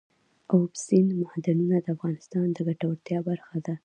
اوبزین معدنونه د افغانانو د ګټورتیا برخه ده.